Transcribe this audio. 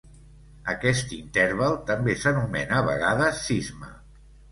Aquest interval també s'anomena a vegades cisma.